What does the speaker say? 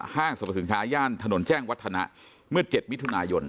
ห้างสรรพสินค้าย่านถนนแจ้งวัฒนะเมื่อ๗มิถุนายน